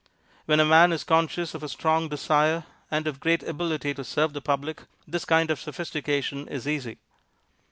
When a man is conscious of a strong desire and of great ability to serve the public, this kind of sophistication is easy.